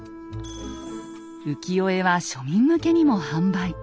浮世絵は庶民向けにも販売。